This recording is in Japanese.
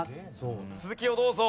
続きをどうぞ。